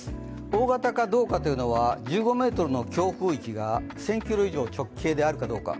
大型化どうかというのは１５メートルの強風域が１０００ｋｍ以上直径であるのかどうか。